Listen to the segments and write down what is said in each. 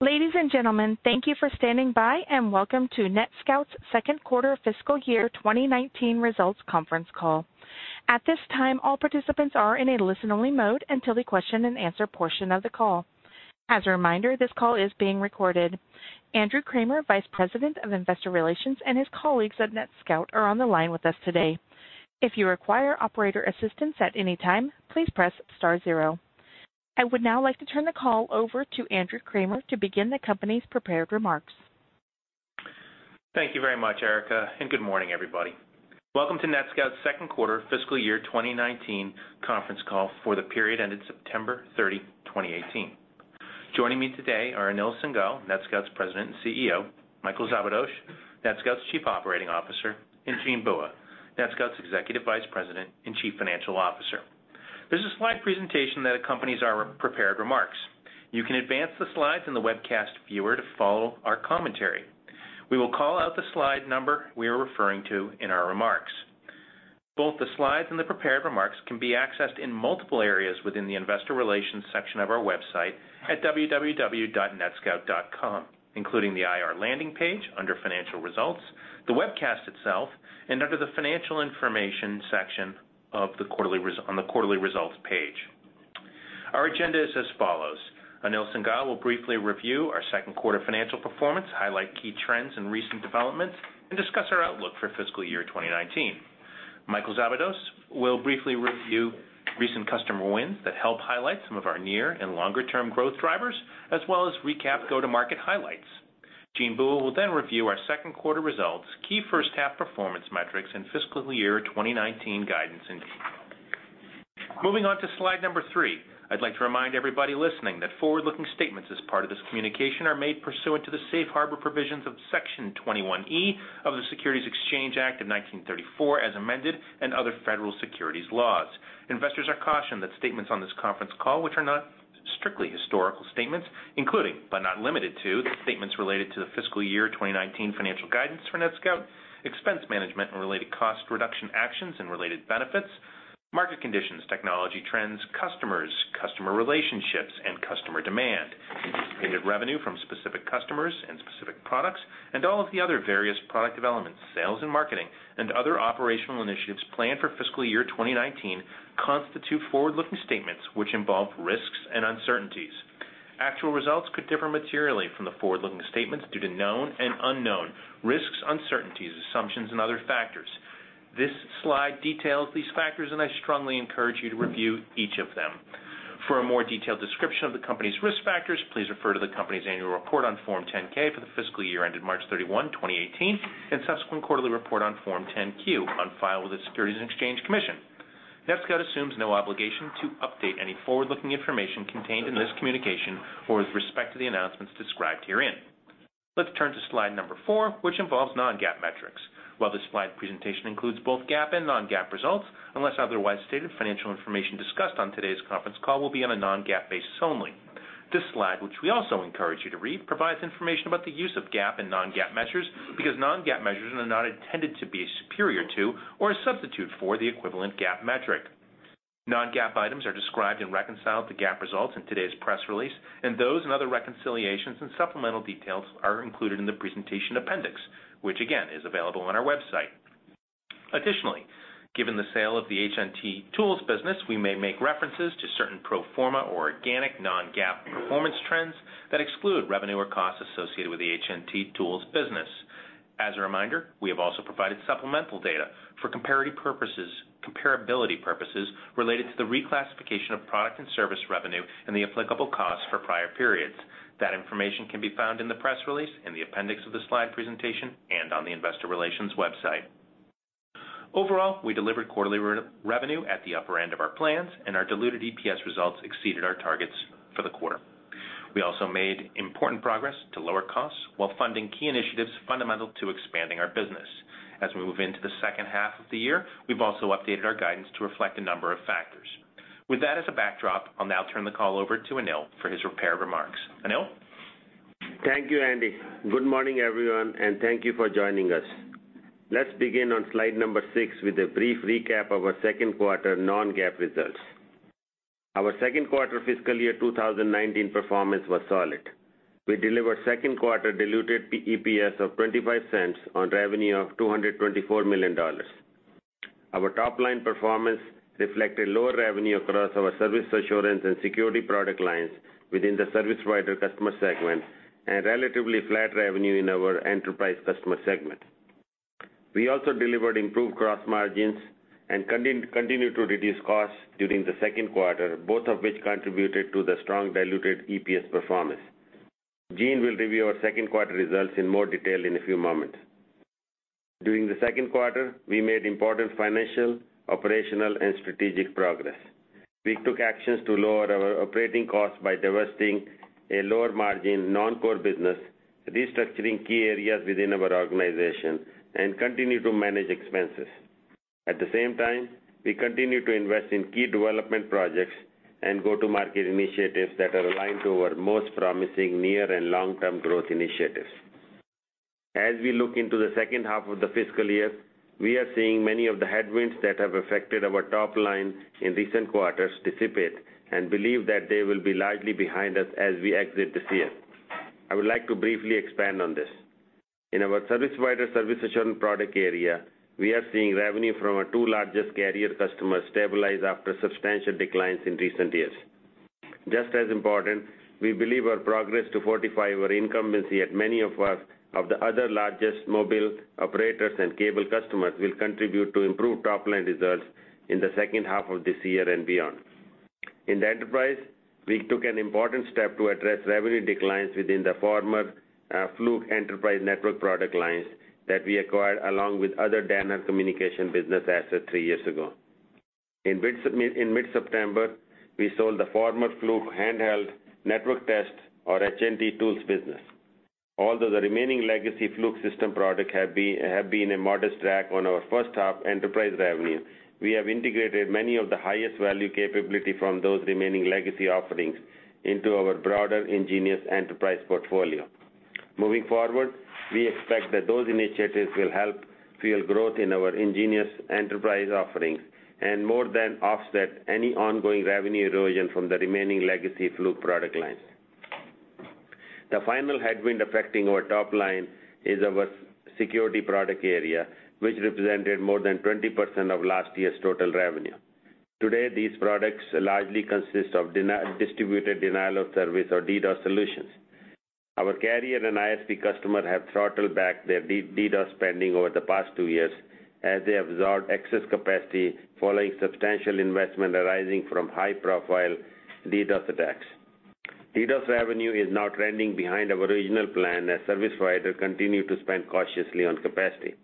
Ladies and gentlemen, thank you for standing by, and welcome to NetScout's second quarter fiscal year 2019 results conference call. At this time, all participants are in a listen-only mode until the question and answer portion of the call. As a reminder, this call is being recorded. Andrew Kramer, Vice President of Investor Relations, and his colleagues at NetScout are on the line with us today. If you require operator assistance at any time, please press star zero. I would now like to turn the call over to Andrew Kramer to begin the company's prepared remarks. Thank you very much, Erica. Good morning, everybody. Welcome to NetScout's second quarter fiscal year 2019 conference call for the period ending September 30, 2018. Joining me today are Anil Singhal, NetScout's President and CEO; Michael Szabados, NetScout's Chief Operating Officer; and Jean Bua, NetScout's Executive Vice President and Chief Financial Officer. There's a slide presentation that accompanies our prepared remarks. You can advance the slides in the webcast viewer to follow our commentary. We will call out the slide number we are referring to in our remarks. Both the slides and the prepared remarks can be accessed in multiple areas within the investor relations section of our website at www.netscout.com, including the IR landing page under financial results, the webcast itself, and under the financial information section on the quarterly results page. Our agenda is as follows. Anil Singhal will briefly review our second quarter financial performance, highlight key trends and recent developments, and discuss our outlook for fiscal year 2019. Michael Szabados will briefly review recent customer wins that help highlight some of our near and longer-term growth drivers, as well as recap go-to-market highlights. Jean Bua will review our second quarter results, key first half performance metrics, and fiscal year 2019 guidance in detail. Moving on to slide number three, I'd like to remind everybody listening that forward-looking statements as part of this communication are made pursuant to the safe harbor provisions of Section 21E of the Securities Exchange Act of 1934 as amended and other federal securities laws. Investors are cautioned that statements on this conference call which are not strictly historical statements, including but not limited to the statements related to the fiscal year 2019 financial guidance for NetScout, expense management and related cost reduction actions and related benefits, market conditions, technology trends, customers, customer relationships and customer demand, anticipated revenue from specific customers and specific products, and all of the other various product developments, sales and marketing and other operational initiatives planned for fiscal year 2019 constitute forward-looking statements which involve risks and uncertainties. Actual results could differ materially from the forward-looking statements due to known and unknown risks, uncertainties, assumptions, and other factors. This slide details these factors. I strongly encourage you to review each of them. For a more detailed description of the company's risk factors, please refer to the company's annual report on Form 10-K for the fiscal year ended March 31, 2018, and subsequent quarterly report on Form 10-Q on file with the Securities and Exchange Commission. NetScout assumes no obligation to update any forward-looking information contained in this communication or with respect to the announcements described herein. Let's turn to slide number four, which involves non-GAAP metrics. While this slide presentation includes both GAAP and non-GAAP results, unless otherwise stated, financial information discussed on today's conference call will be on a non-GAAP basis only. This slide, which we also encourage you to read, provides information about the use of GAAP and non-GAAP measures because non-GAAP measures are not intended to be superior to or a substitute for the equivalent GAAP metric. Non-GAAP items are described and reconciled to GAAP results in today's press release, and those and other reconciliations and supplemental details are included in the presentation appendix, which again is available on our website. Additionally, given the sale of the HNT Tools business, we may make references to certain pro forma or organic non-GAAP performance trends that exclude revenue or costs associated with the HNT Tools business. As a reminder, we have also provided supplemental data for comparability purposes related to the reclassification of product and service revenue and the applicable costs for prior periods. That information can be found in the press release, in the appendix of the slide presentation, and on the investor relations website. Overall, we delivered quarterly revenue at the upper end of our plans, and our diluted EPS results exceeded our targets for the quarter. We also made important progress to lower costs while funding key initiatives fundamental to expanding our business. As we move into the second half of the year, we've also updated our guidance to reflect a number of factors. With that as a backdrop, I'll now turn the call over to Anil for his prepared remarks. Anil? Thank you, Andy. Good morning, everyone, and thank you for joining us. Let's begin on slide number six with a brief recap of our second quarter non-GAAP results. Our second quarter fiscal year 2019 performance was solid. We delivered second quarter diluted EPS of $0.25 on revenue of $224 million. Our top-line performance reflected lower revenue across our service assurance and security product lines within the service provider customer segment and relatively flat revenue in our enterprise customer segment. We also delivered improved gross margins and continued to reduce costs during the second quarter, both of which contributed to the strong diluted EPS performance. Jean will review our second quarter results in more detail in a few moments. During the second quarter, we made important financial, operational, and strategic progress. We took actions to lower our operating costs by divesting a lower margin non-core business, restructuring key areas within our organization, and continued to manage expenses. At the same time, we continued to invest in key development projects and go-to-market initiatives that are aligned to our most promising near and long-term growth initiatives. As we look into the second half of the fiscal year, we are seeing many of the headwinds that have affected our top line in recent quarters dissipate, and believe that they will be largely behind us as we exit this year. I would like to briefly expand on this. In our service provider service assurance product area, we are seeing revenue from our two largest carrier customers stabilize after substantial declines in recent years. Just as important, we believe our progress to fortify our incumbency at many of the other largest mobile operators and cable customers will contribute to improved top-line results in the second half of this year and beyond. In the enterprise, we took an important step to address revenue declines within the former Fluke Enterprise network product lines that we acquired along with other Danaher Communications business assets three years ago. In mid-September, we sold the former Fluke handheld network test, or HNT Tools business. Although the remaining legacy Fluke system product have been a modest drag on our first half enterprise revenue, we have integrated many of the highest value capability from those remaining legacy offerings into our broader nGenius Enterprise portfolio. Moving forward, we expect that those initiatives will help fuel growth in our nGenius Enterprise offerings and more than offset any ongoing revenue erosion from the remaining legacy Fluke product lines. The final headwind affecting our top line is our security product area, which represented more than 20% of last year's total revenue. Today, these products largely consist of distributed denial of service, or DDoS, solutions. Our carrier and ISP customer have throttled back their DDoS spending over the past two years as they absorb excess capacity following substantial investment arising from high-profile DDoS attacks. DDoS revenue is now trending behind our original plan as service providers continue to spend cautiously on capacity.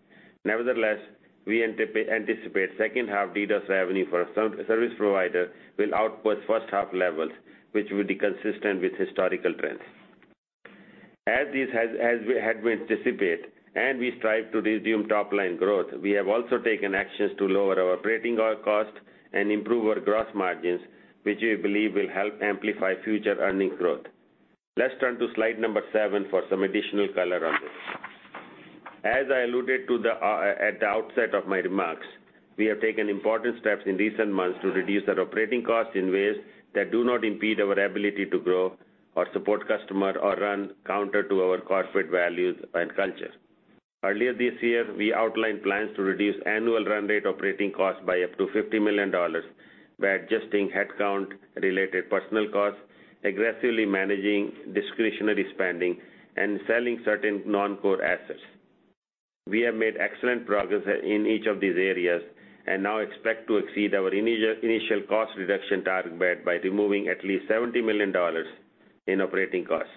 Nevertheless, we anticipate second-half DDoS revenue for service providers will output first-half levels, which will be consistent with historical trends. As these headwinds dissipate and we strive to resume top-line growth, we have also taken actions to lower our operating costs and improve our gross margins, which we believe will help amplify future earning growth. Let's turn to slide number seven for some additional color on this. As I alluded to at the outset of my remarks, we have taken important steps in recent months to reduce our operating costs in ways that do not impede our ability to grow or support customer or run counter to our corporate values and culture. Earlier this year, we outlined plans to reduce annual run rate operating costs by up to $50 million by adjusting headcount-related personnel costs, aggressively managing discretionary spending, and selling certain non-core assets. We have made excellent progress in each of these areas. Now expect to exceed our initial cost reduction target by removing at least $70 million in operating costs.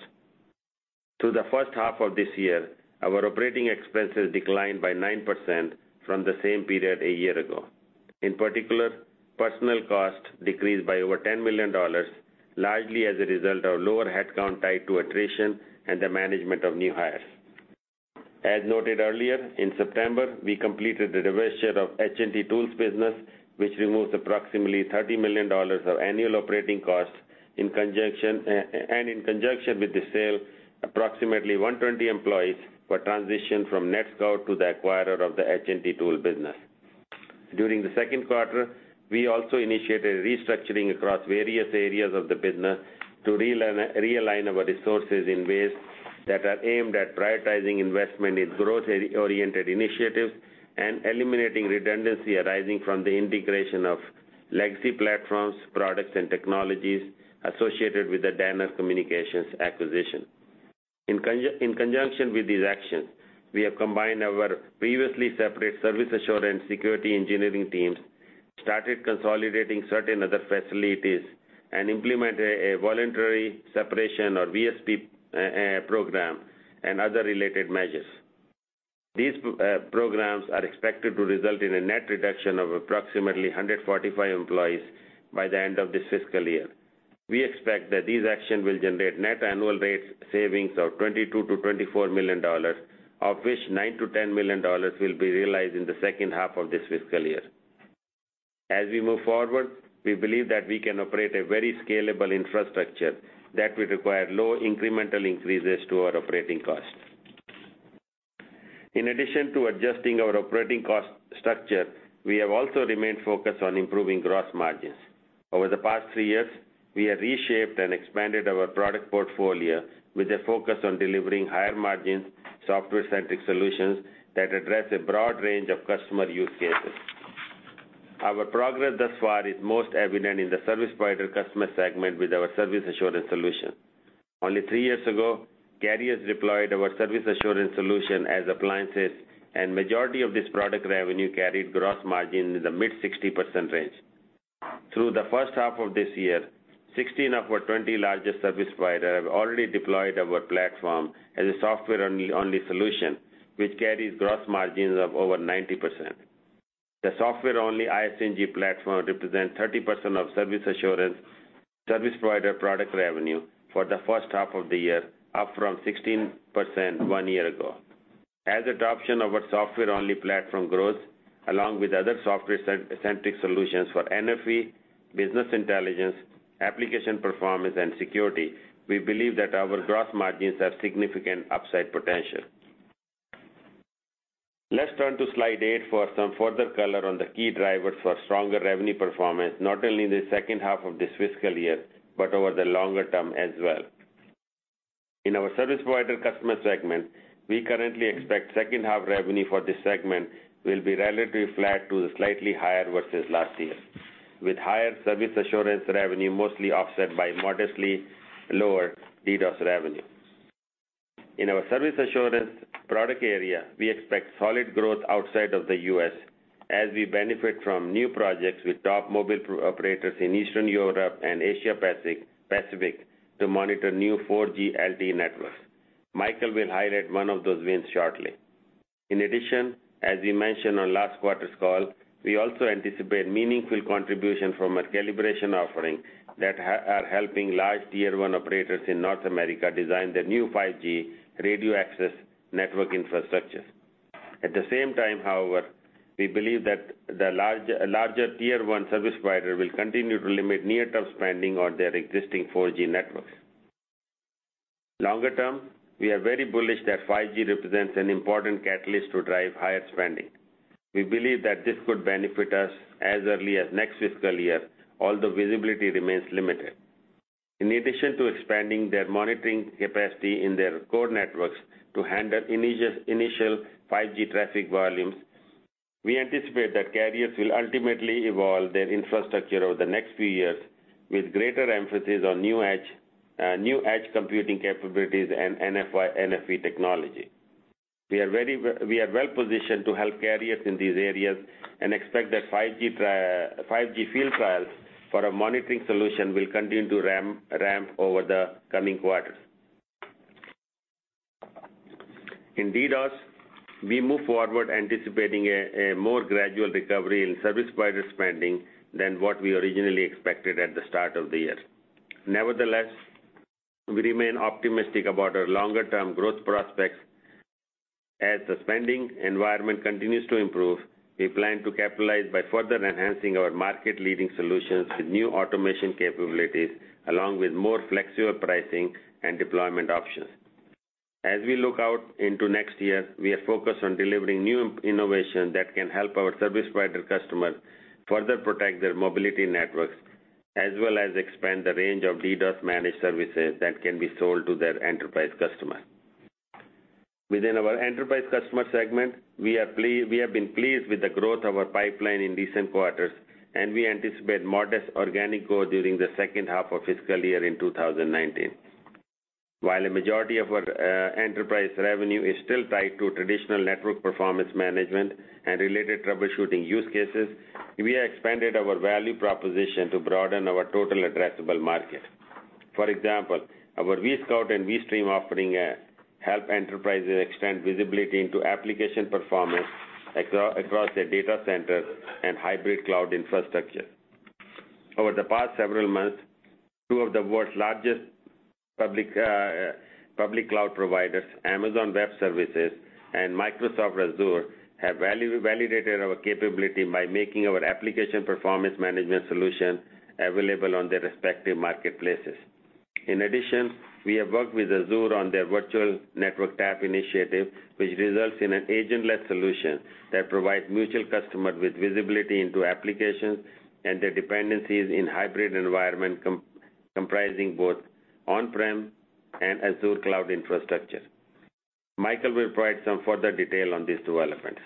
Through the first half of this year, our operating expenses declined by 9% from the same period a year ago. In particular, personnel costs decreased by over $10 million, largely as a result of lower headcount tied to attrition and the management of new hires. As noted earlier, in September, we completed the divestiture of HNT Tools business, which removes approximately $30 million of annual operating costs. In conjunction with the sale, approximately 120 employees were transitioned from NetScout to the acquirer of the HNT Tools business. During the second quarter, we also initiated restructuring across various areas of the business to realign our resources in ways that are aimed at prioritizing investment in growth-oriented initiatives and eliminating redundancy arising from the integration of legacy platforms, products, and technologies associated with the Danaher Communications acquisition. In conjunction with these actions, we have combined our previously separate service assurance security engineering teams, started consolidating certain other facilities, and implement a voluntary separation, or VSP program, and other related measures. These programs are expected to result in a net reduction of approximately 145 employees by the end of this fiscal year. We expect that these actions will generate net annual rate savings of $22 million-$24 million, of which $9 million-$10 million will be realized in the second half of this fiscal year. As we move forward, we believe that we can operate a very scalable infrastructure that will require low incremental increases to our operating costs. In addition to adjusting our operating cost structure, we have also remained focused on improving gross margins. Over the past three years, we have reshaped and expanded our product portfolio with a focus on delivering higher-margin, software-centric solutions that address a broad range of customer use cases. Our progress thus far is most evident in the service provider customer segment with our service assurance solution. Only three years ago, carriers deployed our service assurance solution as appliances, and majority of this product revenue carried gross margin in the mid-60% range. Through the first half of this year, 16 of our 20 largest service providers have already deployed our platform as a software-only solution, which carries gross margins of over 90%. The software-only ISNG platform represents 30% of service assurance service provider product revenue for the first half of the year, up from 16% one year ago. As adoption of our software-only platform grows along with other software-centric solutions for NFV, business intelligence, application performance, and security, we believe that our gross margins have significant upside potential. Let's turn to slide eight for some further color on the key drivers for stronger revenue performance, not only in the second half of this fiscal year, but over the longer term as well. In our service provider customer segment, we currently expect second half revenue for this segment will be relatively flat to slightly higher versus last year, with higher service assurance revenue mostly offset by modestly lower DDoS revenue. In our service assurance product area, we expect solid growth outside of the U.S. as we benefit from new projects with top mobile operators in Eastern Europe and Asia Pacific to monitor new 4G LTE networks. Michael will highlight one of those wins shortly. In addition, as we mentioned on last quarter's call, we also anticipate meaningful contribution from our calibration offering that are helping large tier 1 operators in North America design their new 5G radio access network infrastructure. At the same time, however, we believe that the larger tier 1 service provider will continue to limit near-term spending on their existing 4G networks. Longer term, we are very bullish that 5G represents an important catalyst to drive higher spending. We believe that this could benefit us as early as next fiscal year, although visibility remains limited. In addition to expanding their monitoring capacity in their core networks to handle initial 5G traffic volumes, we anticipate that carriers will ultimately evolve their infrastructure over the next few years with greater emphasis on new edge computing capabilities and NFV technology. We are well-positioned to help carriers in these areas and expect that 5G field trials for our monitoring solution will continue to ramp over the coming quarters. In DDoS, we move forward anticipating a more gradual recovery in service provider spending than what we originally expected at the start of the year. Nevertheless, we remain optimistic about our longer-term growth prospects. As the spending environment continues to improve, we plan to capitalize by further enhancing our market-leading solutions with new automation capabilities, along with more flexible pricing and deployment options. As we look out into next year, we are focused on delivering new innovation that can help our service provider customers further protect their mobility networks, as well as expand the range of DDoS managed services that can be sold to their enterprise customer. Within our enterprise customer segment, we have been pleased with the growth of our pipeline in recent quarters, and we anticipate modest organic growth during the second half of fiscal year in 2019. While a majority of our enterprise revenue is still tied to traditional network performance management and related troubleshooting use cases, we expanded our value proposition to broaden our total addressable market. For example, our vSCOUT and vSTREAM offering help enterprises extend visibility into application performance across their data centers and hybrid cloud infrastructure. Over the past several months, two of the world's largest public cloud providers, Amazon Web Services and Microsoft Azure, have validated our capability by making our application performance management solution available on their respective marketplaces. In addition, we have worked with Azure on their virtual network tap initiative, which results in an agentless solution that provides mutual customers with visibility into applications and their dependencies in hybrid environment comprising both on-prem and Azure cloud infrastructure. Michael will provide some further detail on these two elements.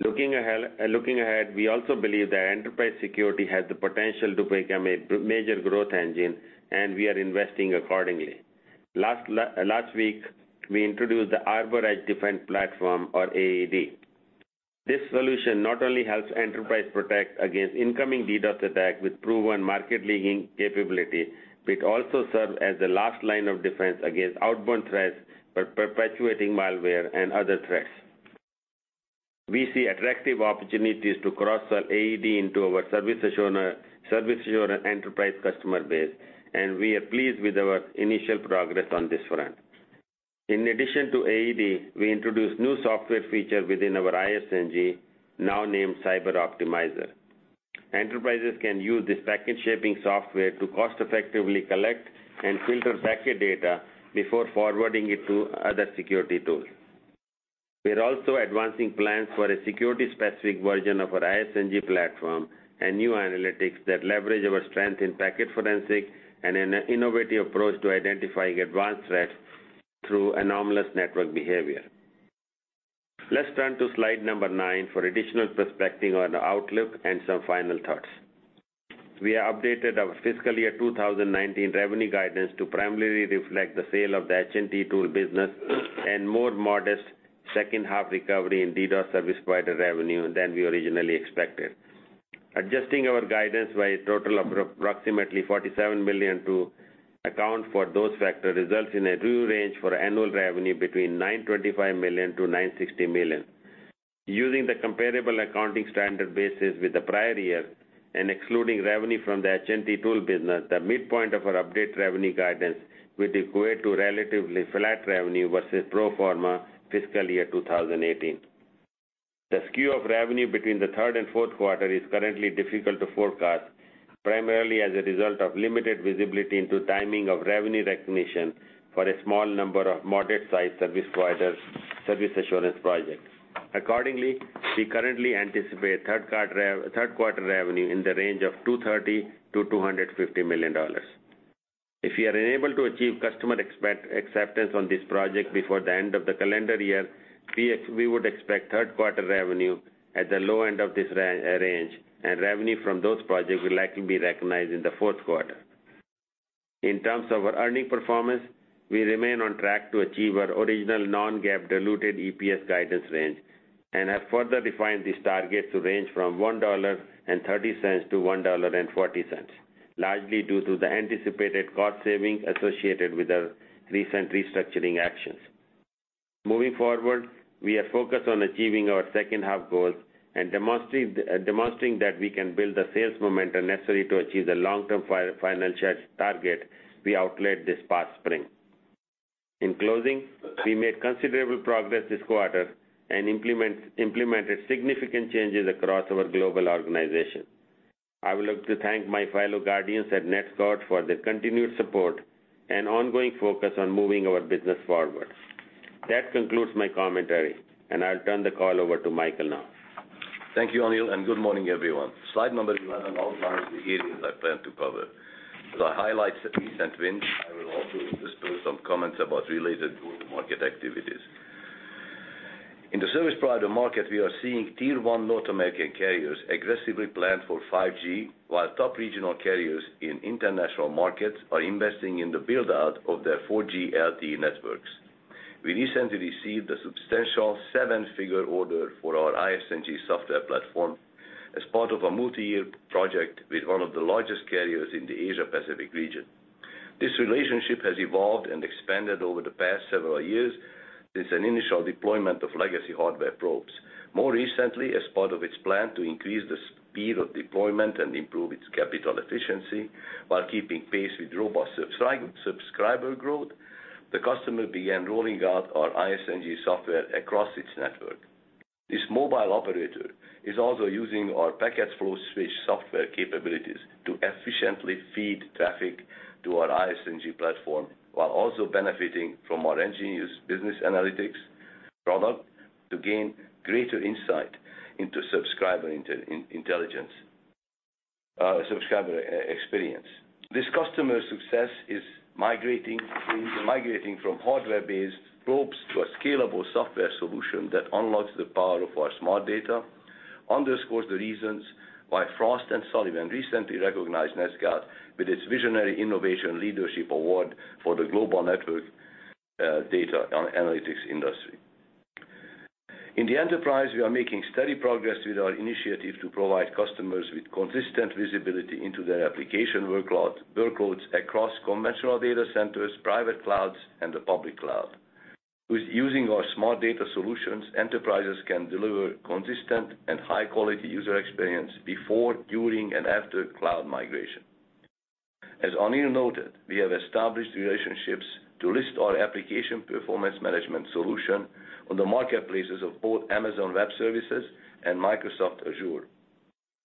Looking ahead, we also believe that enterprise security has the potential to become a major growth engine, and we are investing accordingly. Last week, we introduced the Arbor Edge Defense Platform, or AED. This solution not only helps enterprise protect against incoming DDoS attack with proven market-leading capability, but it also serves as the last line of defense against outbound threats for perpetuating malware and other threats. We see attractive opportunities to cross-sell AED into our service assurance enterprise customer base, and we are pleased with our initial progress on this front. In addition to AED, we introduced new software feature within our ISNG, now named CyberOptimizer. Enterprises can use this packet-shaping software to cost-effectively collect and filter packet data before forwarding it to other security tools. We are also advancing plans for a security-specific version of our ISNG platform and new analytics that leverage our strength in packet forensic and an innovative approach to identifying advanced threats through anomalous network behavior. Let's turn to slide number nine for additional perspective on the outlook and some final thoughts. We have updated our fiscal year 2019 revenue guidance to primarily reflect the sale of the HNT Tools business and more modest second half recovery in DDoS service provider revenue than we originally expected. Adjusting our guidance by a total of approximately $47 million to account for those factor results in a true range for annual revenue between $925 million-$960 million. Using the comparable accounting standard basis with the prior year. Excluding revenue from the HNT Tools business, the midpoint of our updated revenue guidance would equate to relatively flat revenue versus pro forma fiscal year 2018. The skew of revenue between the third and fourth quarter is currently difficult to forecast, primarily as a result of limited visibility into timing of revenue recognition for a small number of moderate-sized service providers, service assurance projects. Accordingly, we currently anticipate third quarter revenue in the range of $230 million-$250 million. If we are unable to achieve customer acceptance on this project before the end of the calendar year, we would expect third quarter revenue at the low end of this range, and revenue from those projects will likely be recognized in the fourth quarter. In terms of our earning performance, we remain on track to achieve our original non-GAAP diluted EPS guidance range and have further refined this target to range from $1.30-$1.40, largely due to the anticipated cost saving associated with our recent restructuring actions. Moving forward, we are focused on achieving our second half goals and demonstrating that we can build the sales momentum necessary to achieve the long-term financial target we outlined this past spring. In closing, we made considerable progress this quarter and implemented significant changes across our global organization. I would like to thank my fellow guardians at NetScout for their continued support and ongoing focus on moving our business forward. That concludes my commentary, and I'll turn the call over to Michael now. Thank you, Anil, and good morning, everyone. Slide number 11 outlines the areas I plan to cover. The highlights, recent wins, I will also disperse some comments about related global market activities. In the service provider market, we are seeing Tier 1 North American carriers aggressively plan for 5G, while top regional carriers in international markets are investing in the build-out of their 4G LTE networks. We recently received a substantial seven-figure order for our ISNG software platform as part of a multi-year project with one of the largest carriers in the Asia Pacific region. This relationship has evolved and expanded over the past several years, since an initial deployment of legacy hardware probes. More recently, as part of its plan to increase the speed of deployment and improve its capital efficiency while keeping pace with robust subscriber growth, the customer began rolling out our ISNG software across its network. This mobile operator is also using our packet flow switch software capabilities to efficiently feed traffic to our ISNG platform while also benefiting from our nGenius Business Analytics product to gain greater insight into subscriber intelligence, subscriber experience. This customer success is migrating from hardware-based probes to a scalable software solution that unlocks the power of our Smart Data, underscores the reasons why Frost & Sullivan recently recognized NetScout with its Visionary Innovation Leadership Award for the global network data analytics industry. In the enterprise, we are making steady progress with our initiative to provide customers with consistent visibility into their application workloads across conventional data centers, private clouds, and the public cloud. Using our Smart Data solutions, enterprises can deliver consistent and high-quality user experience before, during, and after cloud migration. As Anil noted, we have established relationships to list our application performance management solution on the marketplaces of both Amazon Web Services and Microsoft Azure.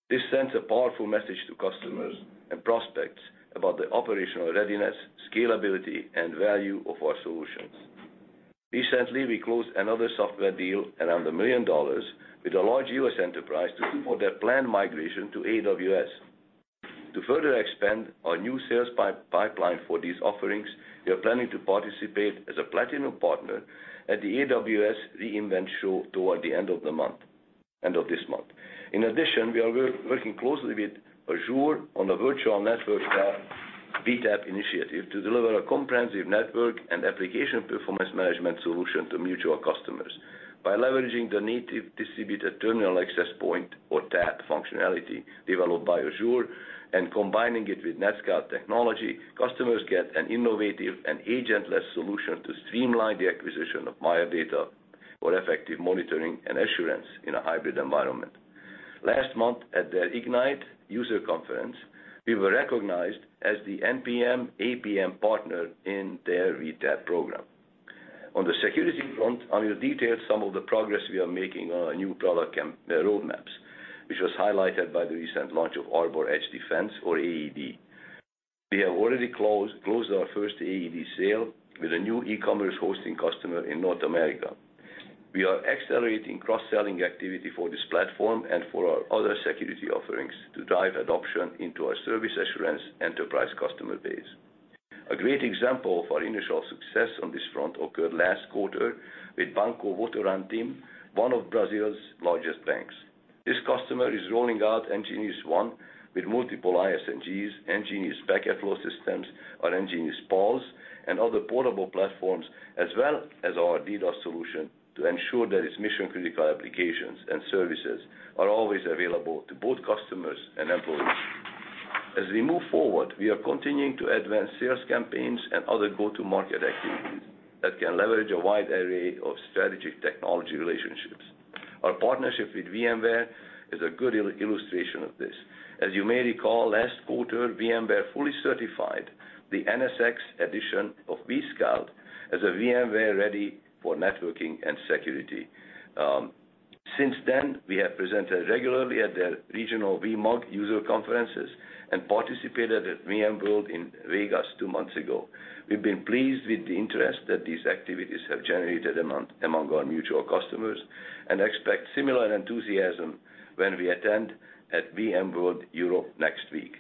This sends a powerful message to customers and prospects about the operational readiness, scalability, and value of our solutions. Recently, we closed another software deal around $1 million with a large U.S. enterprise to support their planned migration to AWS. To further expand our new sales pipeline for these offerings, we are planning to participate as a platinum partner at the AWS re:Invent show toward the end of this month. In addition, we are working closely with Azure on a virtual network vTAP initiative to deliver a comprehensive network and application performance management solution to mutual customers. By leveraging the native distributed terminal access point or TAP functionality developed by Azure and combining it with NetScout technology, customers get an innovative and agentless solution to streamline the acquisition of wire data for effective monitoring and assurance in a hybrid environment. Last month at their Ignite user conference, we were recognized as the NPM APM partner in their vTAP program. On the security front, Anil detailed some of the progress we are making on our new product roadmaps, which was highlighted by the recent launch of Arbor Edge Defense or AED. We have already closed our first AED sale with a new e-commerce hosting customer in North America. We are accelerating cross-selling activity for this platform and for our other security offerings to drive adoption into our service assurance enterprise customer base. A great example of our initial success on this front occurred last quarter with Banco Votorantim, one of Brazil's largest banks. This customer is rolling out nGeniusONE with multiple ISNGs, nGenius Packet Flow Systems, our nGeniusPULSE, and other portable platforms, as well as our DDoS solution to ensure that its mission-critical applications and services are always available to both customers and employees. We are continuing to advance sales campaigns and other go-to-market activities that can leverage a wide array of strategic technology relationships. Our partnership with VMware is a good illustration of this. As you may recall, last quarter, VMware fully certified the NSX addition of vSCOUT as a VMware ready for networking and security. Since then, we have presented regularly at their regional VMUG user conferences and participated at VMworld in Vegas two months ago. We've been pleased with the interest that these activities have generated among our mutual customers and expect similar enthusiasm when we attend at VMworld Europe next week.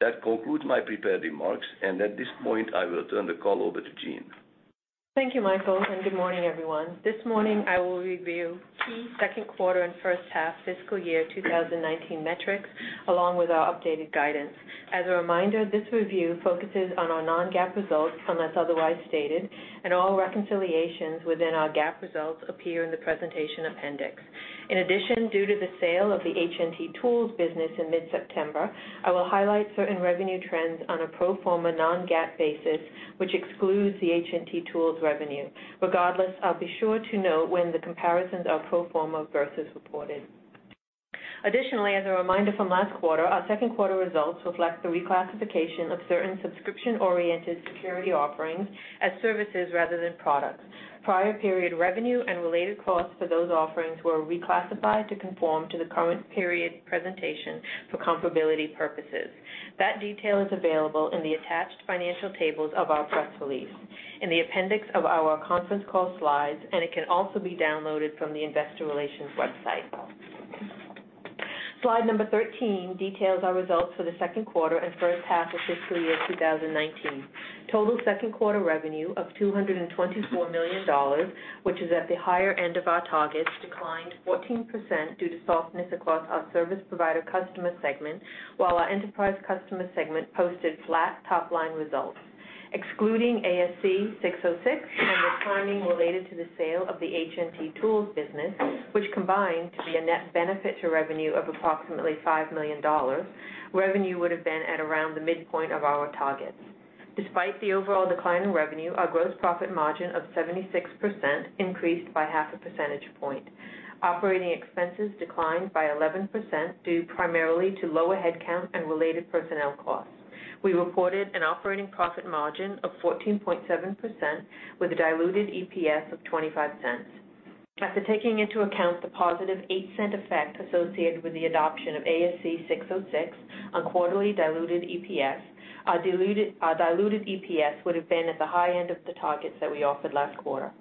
That concludes my prepared remarks, and at this point, I will turn the call over to Jean. Thank you, Michael, good morning, everyone. This morning, I will review second quarter and first half fiscal year 2019 metrics, along with our updated guidance. As a reminder, this review focuses on our non-GAAP results unless otherwise stated, and all reconciliations within our GAAP results appear in the presentation appendix. Due to the sale of the HNT Tools business in mid-September, I will highlight certain revenue trends on a pro forma non-GAAP basis, which excludes the HNT Tools revenue. I'll be sure to note when the comparisons are pro forma versus reported. As a reminder from last quarter, our second quarter results reflect the reclassification of certain subscription-oriented security offerings as services rather than products. Prior period revenue and related costs for those offerings were reclassified to conform to the current period presentation for comparability purposes. Detail is available in the attached financial tables of our press release, in the appendix of our conference call slides, and it can also be downloaded from the investor relations website. Slide number 13 details our results for the second quarter and first half of fiscal year 2019. Second quarter revenue of $224 million, which is at the higher end of our targets, declined 14% due to softness across our service provider customer segment, while our enterprise customer segment posted flat top-line results. Excluding ASC 606 and the timing related to the sale of the HNT Tools business, which combined to be a net benefit to revenue of approximately $5 million, revenue would've been at around the midpoint of our targets. Despite the overall decline in revenue, our gross profit margin of 76% increased by half a percentage point. Operating expenses declined by 11%, due primarily to lower headcount and related personnel costs. We reported an operating profit margin of 14.7% with a diluted EPS of $0.25. After taking into account the positive $0.08 effect associated with the adoption of ASC 606 on quarterly diluted EPS, our diluted EPS would've been at the high end of the targets that we offered last quarter.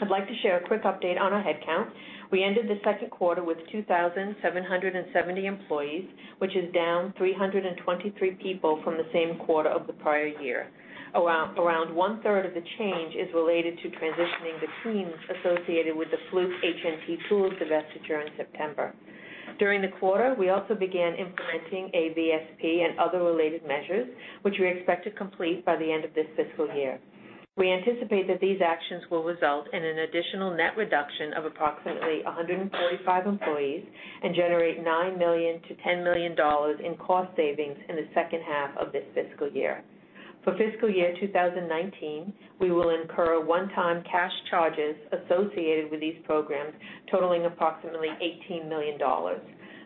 I'd like to share a quick update on our headcount. We ended the second quarter with 2,770 employees, which is down 323 people from the same quarter of the prior year. Around one-third of the change is related to transitioning the teams associated with the Fluke HNT Tools divestiture in September. During the quarter, we also began implementing a VSP and other related measures, which we expect to complete by the end of this fiscal year. We anticipate that these actions will result in an additional net reduction of approximately 145 employees and generate $9 million to $10 million in cost savings in the second half of this fiscal year. For fiscal year 2019, we will incur one-time cash charges associated with these programs totaling approximately $18 million.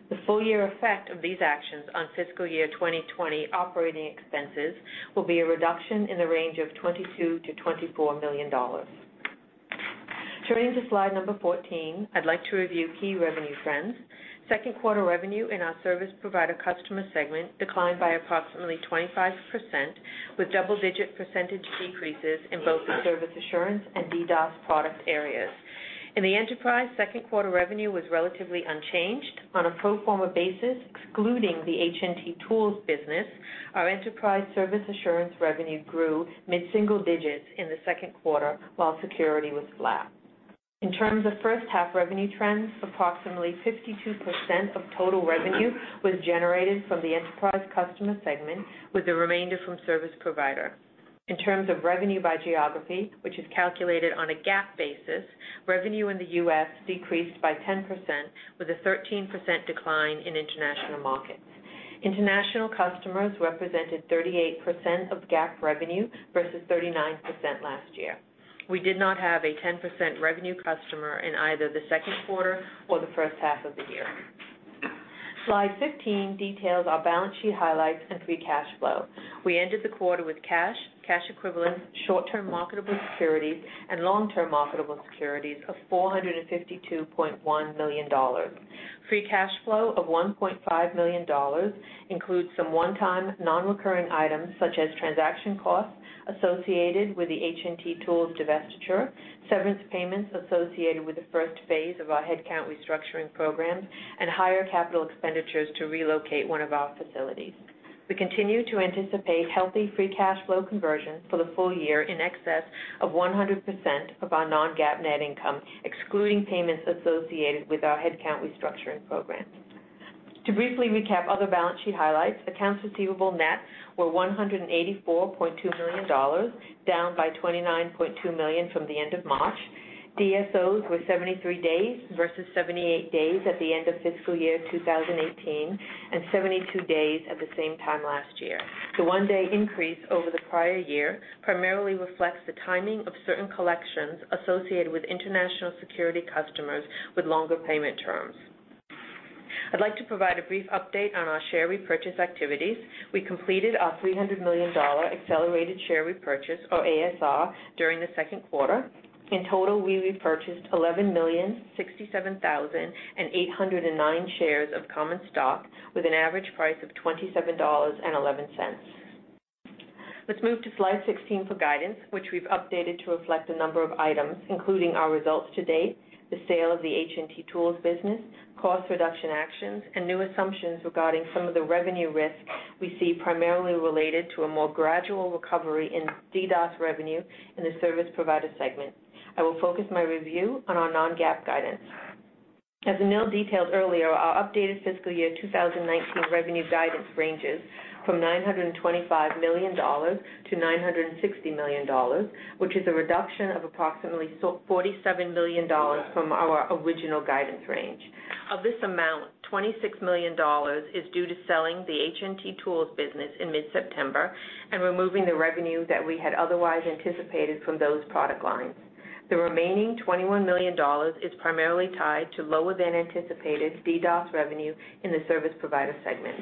The full year effect of these actions on fiscal year 2020 operating expenses will be a reduction in the range of $22 million-$24 million. Turning to slide number 14, I'd like to review key revenue trends. Second quarter revenue in our service provider customer segment declined by approximately 25%, with double-digit percentage decreases in both the service assurance and DDoS product areas. In the enterprise, second quarter revenue was relatively unchanged. On a pro forma basis, excluding the HNT Tools business, our enterprise service assurance revenue grew mid-single digits in the second quarter, while security was flat. In terms of first half revenue trends, approximately 52% of total revenue was generated from the enterprise customer segment, with the remainder from service provider. In terms of revenue by geography, which is calculated on a GAAP basis, revenue in the U.S. decreased by 10%, with a 13% decline in international markets. International customers represented 38% of GAAP revenue versus 39% last year. We did not have a 10% revenue customer in either the second quarter or the first half of the year. Slide 15 details our balance sheet highlights and free cash flow. We ended the quarter with cash equivalents, short-term marketable securities, and long-term marketable securities of $452.1 million. Free cash flow of $1.5 million includes some one-time, non-recurring items such as transaction costs associated with the HNT Tools divestiture, severance payments associated with the first phase of our headcount restructuring programs, and higher capital expenditures to relocate one of our facilities. We continue to anticipate healthy free cash flow conversion for the full year in excess of 100% of our non-GAAP net income, excluding payments associated with our headcount restructuring programs. To briefly recap other balance sheet highlights, accounts receivable net were $184.2 million, down by $29.2 million from the end of March. DSOs were 73 days versus 78 days at the end of fiscal year 2018, and 72 days at the same time last year. The one-day increase over the prior year primarily reflects the timing of certain collections associated with international security customers with longer payment terms. I'd like to provide a brief update on our share repurchase activities. We completed our $300 million accelerated share repurchase, or ASR, during the second quarter. In total, we repurchased 11,067,809 shares of common stock with an average price of $27.11. Let's move to slide 16 for guidance, which we've updated to reflect a number of items, including our results to date, the sale of the HNT Tools business, cost reduction actions, and new assumptions regarding some of the revenue risk we see primarily related to a more gradual recovery in DDoS revenue in the service provider segment. I will focus my review on our non-GAAP guidance. As Anil detailed earlier, our updated fiscal year 2019 revenue guidance ranges from $925 million-$960 million, which is a reduction of approximately $47 million from our original guidance range. Of this amount, $26 million is due to selling the HNT Tools business in mid-September and removing the revenue that we had otherwise anticipated from those product lines. The remaining $21 million is primarily tied to lower-than-anticipated DDoS revenue in the service provider segment.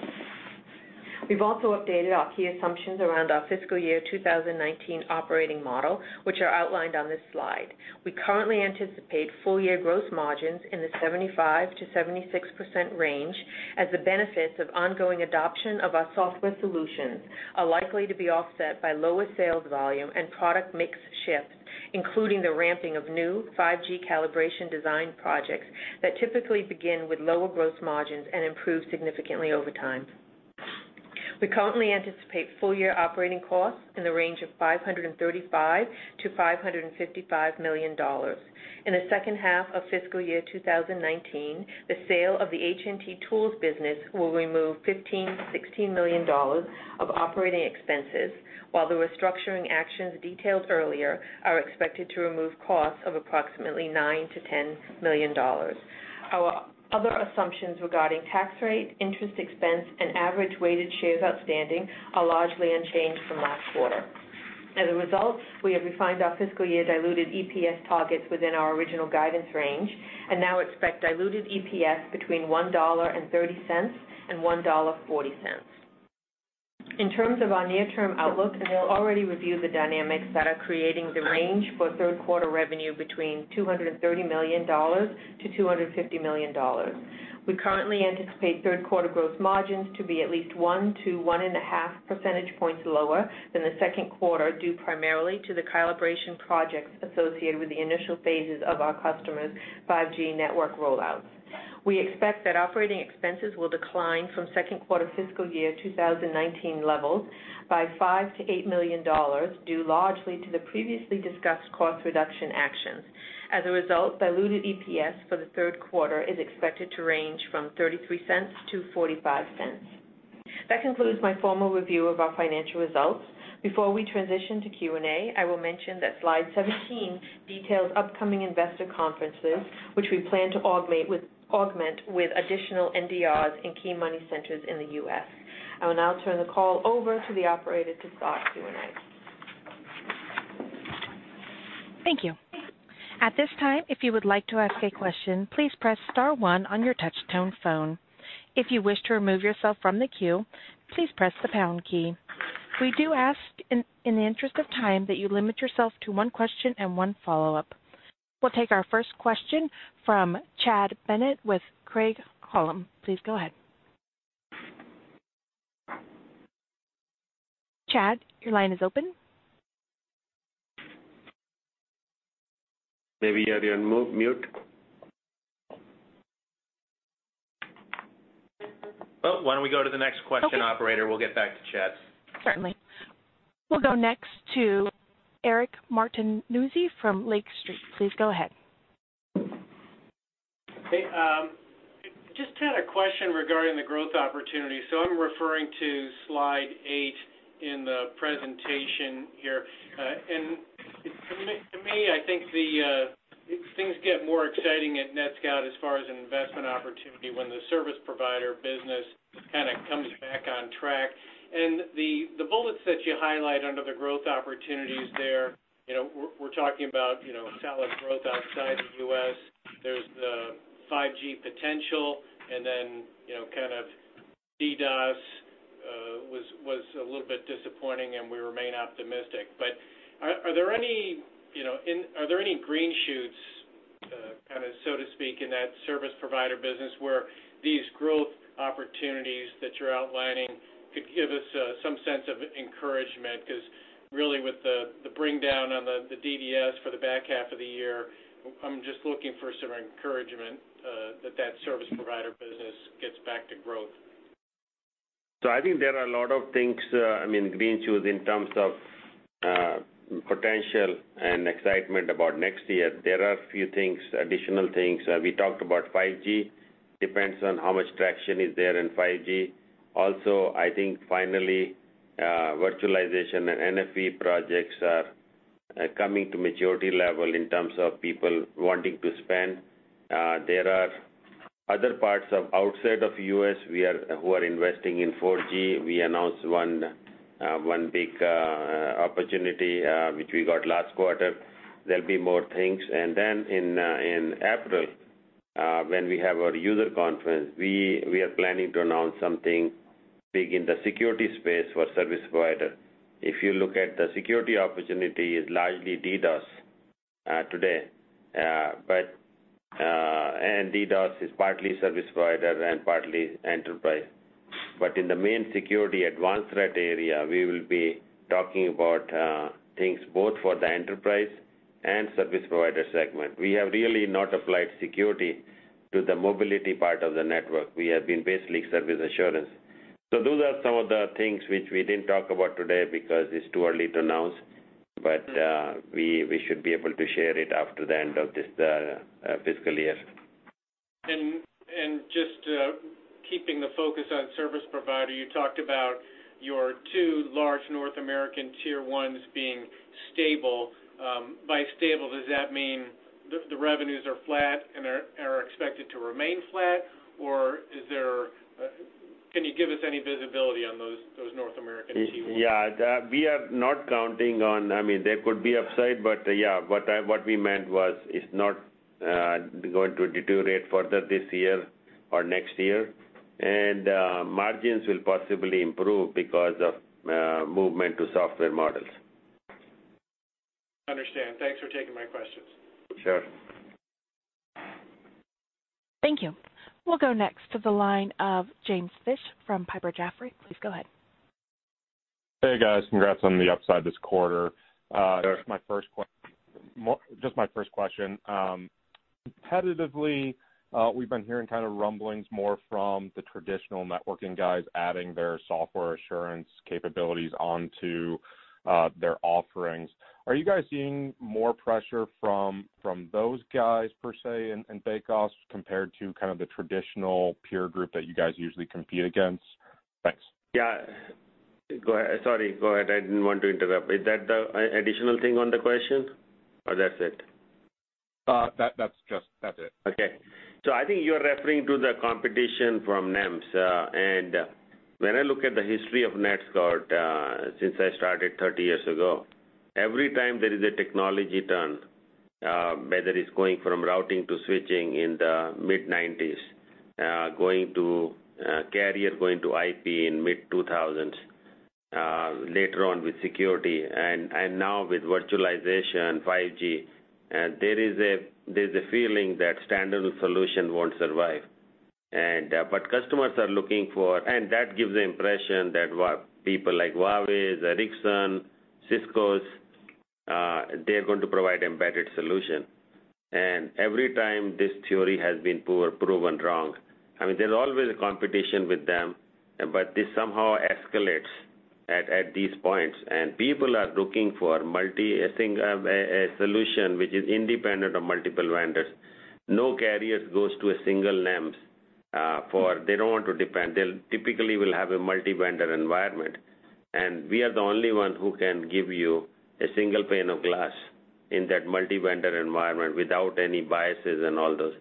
We've also updated our key assumptions around our fiscal year 2019 operating model, which are outlined on this slide. We currently anticipate full-year gross margins in the 75%-76% range as the benefits of ongoing adoption of our software solutions are likely to be offset by lower sales volume and product mix shifts, including the ramping of new 5G calibration design projects that typically begin with lower gross margins and improve significantly over time. We currently anticipate full-year operating costs in the range of $535 million-$555 million. In the second half of fiscal year 2019, the sale of the HNT Tools business will remove $15 million-$16 million of operating expenses, while the restructuring actions detailed earlier are expected to remove costs of approximately $9 million-$10 million. Our other assumptions regarding tax rate, interest expense, and average weighted shares outstanding are largely unchanged from last quarter. As a result, we have refined our fiscal year diluted EPS targets within our original guidance range and now expect diluted EPS between $1.30 and $1.40. In terms of our near-term outlook, Anil already reviewed the dynamics that are creating the range for third quarter revenue between $230 million-$250 million. We currently anticipate third quarter gross margins to be at least one to one and a half percentage points lower than the second quarter, due primarily to the calibration projects associated with the initial phases of our customers' 5G network rollouts. We expect that operating expenses will decline from second quarter fiscal year 2019 levels by $5 million-$8 million, due largely to the previously discussed cost reduction actions. As a result, diluted EPS for the third quarter is expected to range from $0.33-$0.45. That concludes my formal review of our financial results. Before we transition to Q&A, I will mention that slide 17 details upcoming investor conferences, which we plan to augment with additional NDRs in key money centers in the U.S. I will now turn the call over to the operator to start Q&A. Thank you. At this time, if you would like to ask a question, please press star one on your touch-tone phone. If you wish to remove yourself from the queue, please press the pound key. We do ask, in the interest of time, that you limit yourself to one question and one follow-up. We'll take our first question from Chad Bennett with Craig-Hallum. Please go ahead. Chad, your line is open. Maybe you're on mute. Why don't we go to the next question, operator. We'll get back to Chad. Certainly. We'll go next to Eric Martinuzzi from Lake Street. Please go ahead. Hey. Just had a question regarding the growth opportunity. I'm referring to slide eight in the presentation here. To me, I think things get more exciting at NetScout as far as an investment opportunity when the service provider business kind of comes back on track. The bullets that you highlight under the growth opportunities there, we're talking about solid growth outside the U.S., there's the 5G potential, and then kind of DDoS was a little bit disappointing, and we remain optimistic. Are there any green shoots, kind of so to speak, in that service provider business where these growth opportunities that you're outlining could give us some sense of encouragement? Because really with the bring down on the DDoS for the back half of the year, I'm just looking for some encouragement that service provider business gets back to growth. I think there are a lot of things, I mean, green shoots in terms of potential and excitement about next year. There are a few additional things. We talked about 5G. Depends on how much traction is there in 5G. Also, I think finally Virtualization and NFV projects are coming to maturity level in terms of people wanting to spend. There are other parts of outside of U.S. who are investing in 4G. We announced one big opportunity, which we got last quarter. There will be more things. In April, when we have our user conference, we are planning to announce something big in the security space for service provider. If you look at the security opportunity, it's largely DDoS today. DDoS is partly service provider and partly enterprise. In the main security advanced threat area, we will be talking about things both for the enterprise and service provider segment. We have really not applied security to the mobility part of the network. We have been basically service assurance. Those are some of the things which we didn't talk about today because it's too early to announce. We should be able to share it after the end of this fiscal year. Just keeping the focus on service provider, you talked about your two large North American tier 1s being stable. By stable, does that mean the revenues are flat and are expected to remain flat, or can you give us any visibility on those North American tier 1s? We are not counting on, there could be upside. What we meant was it's not going to deteriorate further this year or next year. Margins will possibly improve because of movement to software models. Understand. Thanks for taking my questions. Sure. Thank you. We'll go next to the line of James Fish from Piper Jaffray. Please go ahead. Hey, guys. Congrats on the upside this quarter. Sure. Just my first question. Competitively, we've been hearing kind of rumblings more from the traditional networking guys adding their software assurance capabilities onto their offerings. Are you guys seeing more pressure from those guys per se, in takeoffs, compared to kind of the traditional peer group that you guys usually compete against? Thanks. Yeah. Sorry, go ahead. I didn't want to interrupt. Is that the additional thing on the question, or that's it? That's it. I think you're referring to the competition from NEMs. When I look at the history of NetScout, since I started 30 years ago, every time there is a technology turn, whether it's going from routing to switching in the mid '90s, carrier going to IP in mid-2000s, later on with security, and now with virtualization, 5G, there's a feeling that standalone solution won't survive. That gives the impression that people like Huawei, Ericsson, Cisco, they're going to provide embedded solution. Every time, this theory has been proven wrong. There's always a competition with them, but this somehow escalates at these points, and people are looking for a solution which is independent of multiple vendors. No carrier goes to a single NEMs, for they don't want to depend. They'll typically will have a multi-vendor environment. We are the only one who can give you a single pane of glass in that multi-vendor environment without any biases and all those.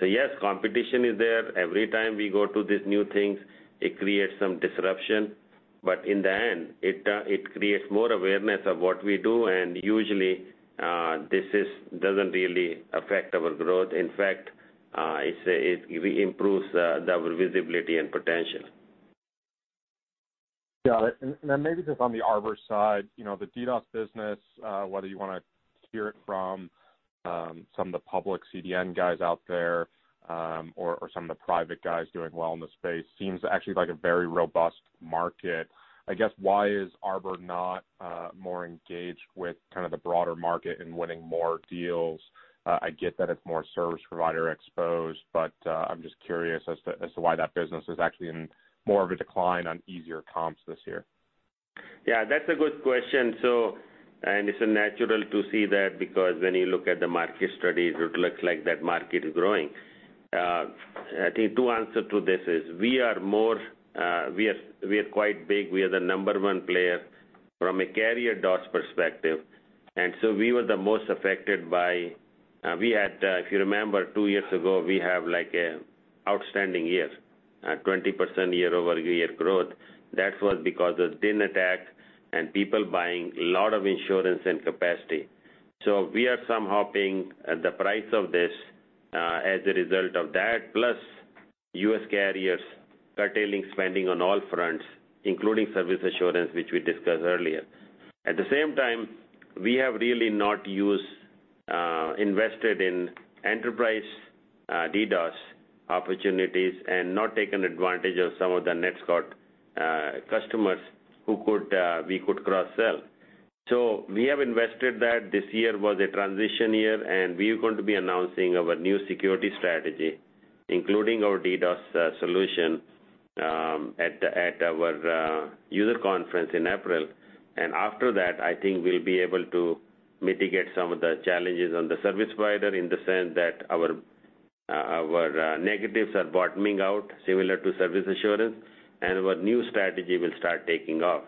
Yes, competition is there. Every time we go to these new things, it creates some disruption. In the end, it creates more awareness of what we do, and usually, this doesn't really affect our growth. In fact, it improves our visibility and potential. Got it. Maybe just on the Arbor side, the DDoS business, whether you want to hear it from some of the public CDN guys out there, or some of the private guys doing well in the space, seems actually like a very robust market. I guess, why is Arbor not more engaged with kind of the broader market and winning more deals? I get that it's more service provider exposed, but I'm just curious as to why that business is actually in more of a decline on easier comps this year. Yeah, that's a good question. It's natural to see that because when you look at the market studies, it looks like that market is growing. I think two answers to this is, we are quite big. We are the number one player from a carrier DDoS perspective. We were the most affected by-- If you remember, two years ago, we have like a outstanding year, 20% year-over-year growth. That was because of Dyn attack and people buying lot of insurance and capacity. We are somehow paying the price of this, as a result of that, plus U.S. carriers curtailing spending on all fronts, including service assurance, which we discussed earlier. At the same time, we have really not invested in enterprise DDoS opportunities and not taken advantage of some of the NetScout customers who we could cross-sell. We have invested that. This year was a transition year, we are going to be announcing our new security strategy, including our DDoS solution, at our user conference in April. After that, I think we'll be able to mitigate some of the challenges on the service provider in the sense that Our negatives are bottoming out similar to service assurance and our new strategy will start taking off.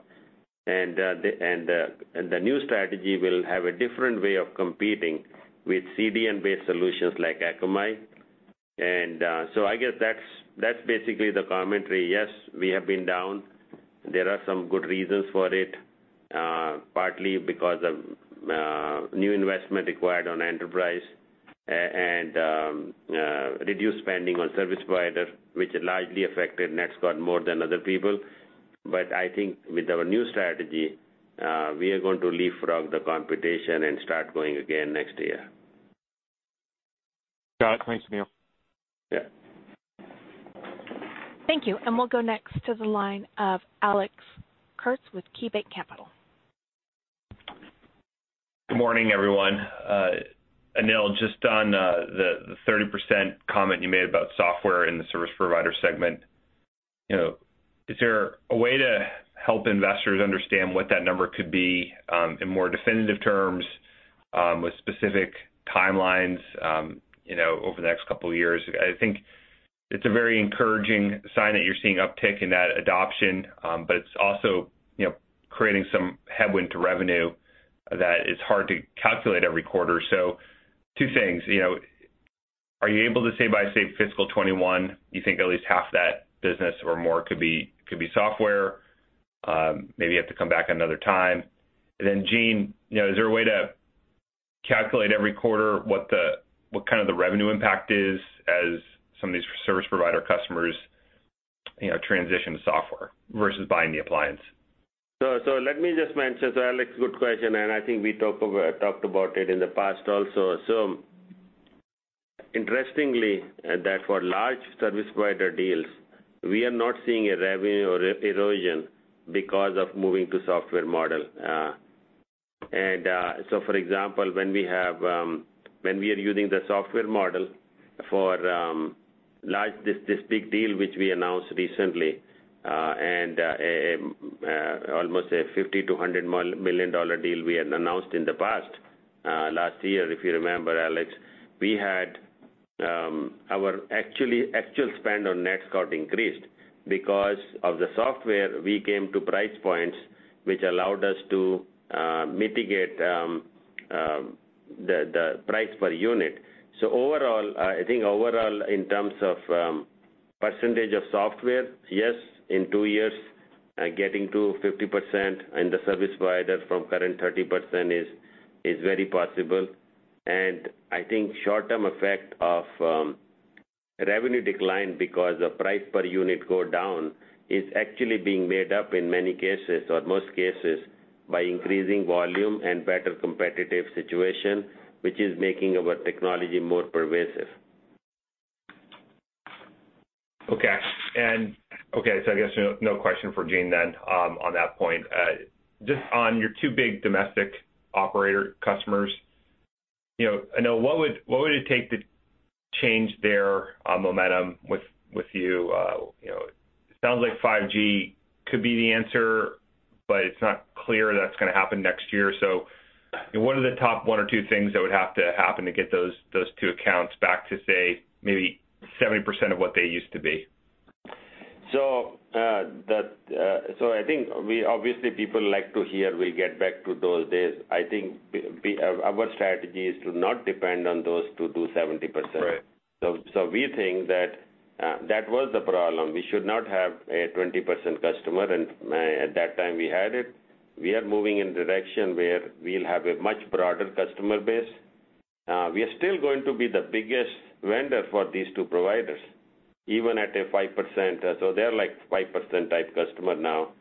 The new strategy will have a different way of competing with CDN-based solutions like Akamai. I guess that's basically the commentary. Yes, we have been down. There are some good reasons for it, partly because of new investment required on enterprise and reduced spending on service provider, which largely affected NetScout more than other people. I think with our new strategy, we are going to leapfrog the competition and start growing again next year. Got it. Thanks, Anil. Yeah. Thank you. We'll go next to the line of Alex Kurtz with KeyBanc Capital. Good morning, everyone. Anil, just on the 30% comment you made about software in the service provider segment, is there a way to help investors understand what that number could be, in more definitive terms, with specific timelines, over the next couple of years? I think it's a very encouraging sign that you're seeing uptick in that adoption, but it's also creating some headwind to revenue that is hard to calculate every quarter. Two things, are you able to say by, say, fiscal 2021, you think at least half that business or more could be software? Maybe you have to come back another time. Then Jean, is there a way to calculate every quarter what kind of the revenue impact is as some of these service provider customers transition to software versus buying the appliance? Let me just mention. Alex, good question, and I think we talked about it in the past also. Interestingly, that for large service provider deals, we are not seeing a revenue erosion because of moving to software model. For example, when we are using the software model for this big deal which we announced recently, and almost a $50 million-$100 million deal we had announced in the past, last year, if you remember, Alex. Our actual spend on NetScout increased. Because of the software, we came to price points which allowed us to mitigate the price per unit. I think overall, in terms of percentage of software, yes, in two years, getting to 50% in the service provider from current 30% is very possible. I think short-term effect of revenue decline because the price per unit go down, is actually being made up in many cases or most cases, by increasing volume and better competitive situation, which is making our technology more pervasive. I guess no question for Jean then on that point. Just on your two big domestic operator customers, Anil, what would it take to change their momentum with you? It sounds like 5G could be the answer, but it's not clear that's going to happen next year. What are the top one or two things that would have to happen to get those two accounts back to, say, maybe 70% of what they used to be? I think, obviously, people like to hear we get back to those days. I think our strategy is to not depend on those two do 70%. Right. We think that that was the problem. We should not have a 20% customer, and at that time we had it. We are moving in direction where we'll have a much broader customer base. We are still going to be the biggest vendor for these two providers, even at a 5%. They're like 5% type customer now.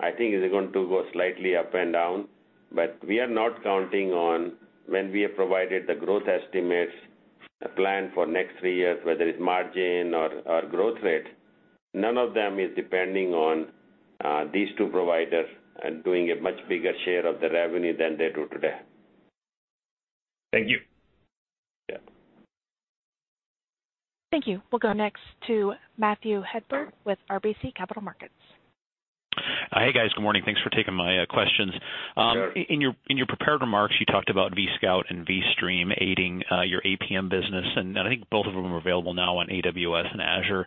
I think it's going to go slightly up and down, but we are not counting on when we have provided the growth estimates plan for next three years, whether it's margin or growth rate. None of them is depending on these two providers and doing a much bigger share of the revenue than they do today. Thank you. Yeah. Thank you. We'll go next to Matthew Hedberg with RBC Capital Markets. Hey, guys. Good morning. Thanks for taking my questions. Sure. In your prepared remarks, you talked about vSCOUT and vSTREAM aiding your APM business, and I think both of them are available now on AWS and Azure.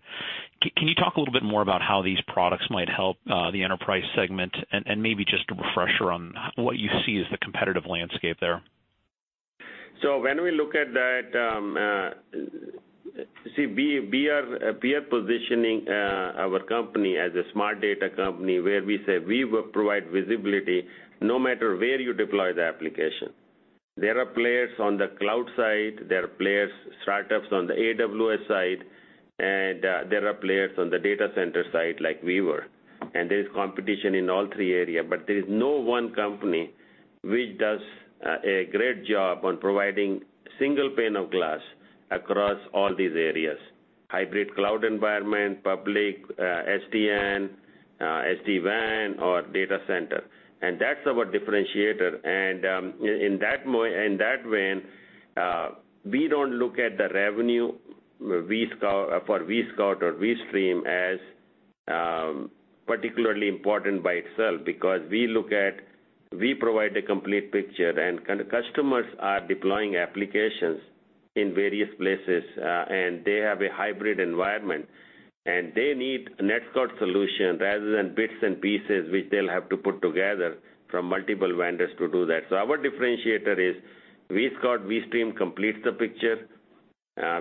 Can you talk a little bit more about how these products might help the enterprise segment and maybe just a refresher on what you see as the competitive landscape there? When we look at that, see, we are positioning our company as a Smart Data company where we say we will provide visibility no matter where you deploy the application. There are players on the cloud side, there are players, startups on the AWS side, and there are players on the data center side like we were. There is competition in all three areas, but there is no one company which does a great job on providing single pane of glass across all these areas, hybrid cloud environment, public, SDN, SD-WAN or data center. That's our differentiator. In that vein, we don't look at the revenue for vSCOUT or vSTREAM as particularly important by itself because we provide a complete picture, and customers are deploying applications in various places, and they have a hybrid environment, and they need a NetScout solution rather than bits and pieces which they'll have to put together from multiple vendors to do that. Our differentiator is vSCOUT, vSTREAM completes the picture.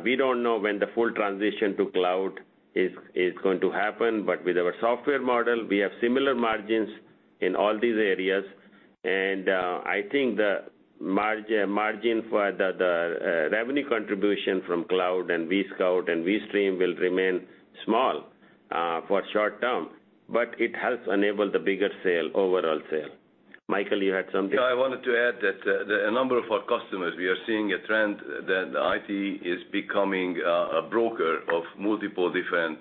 We don't know when the full transition to cloud is going to happen, but with our software model, we have similar margins in all these areas. I think the margin for the revenue contribution from cloud and vSCOUT and vSTREAM will remain small for short term, but it helps enable the bigger sale, overall sale. Michael, you had something? Yeah, I wanted to add that a number of our customers, we are seeing a trend that IT is becoming a broker of multiple different